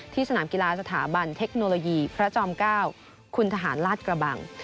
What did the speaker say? สนามกีฬาสถาบันเทคโนโลยีพระจอม๙คุณทหารลาดกระบัง